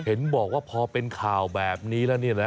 เห็นบอกว่าพอเป็นข่าวแบบนี้แล้ว